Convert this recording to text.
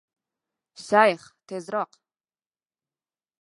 Shayx tezroq!